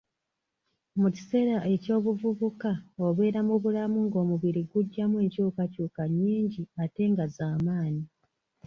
Mu kiseera eky'obuvubuka obeera mu bulamu ng'omubiri gujjamu enkyukakyuka nnyingi ate nga z'amaanyi.